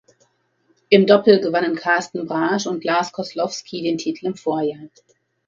Im Doppel gewannen Karsten Braasch und Lars Koslowski den Titel im Vorjahr.